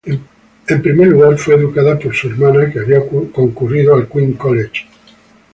Primeramente fue educada por su hermana, que había concurrido al Queens College.